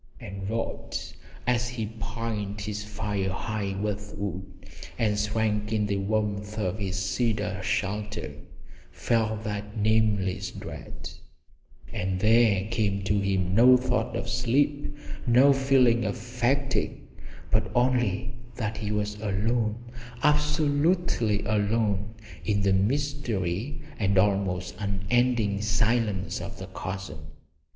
And Rod, as he piled his fire high with wood and shrank in the warmth of his cedar shelter, felt that nameless dread; and there came to him no thought of sleep, no feeling of fatigue, but only that he was alone, absolutely alone, in the mystery and almost unending silence of the chasm.